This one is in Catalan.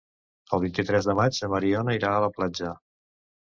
El vint-i-tres de maig na Mariona irà a la platja.